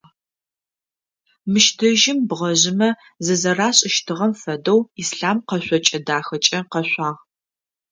Мыщ дэжьым бгъэжъымэ зызэрашӏыщтыгъэм фэдэу Ислъам къэшъокӏэ дахэкӏэ къэшъуагъ.